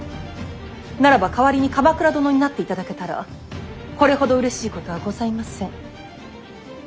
ならば代わりに鎌倉殿になっていただけたらこれほどうれしいことはございません。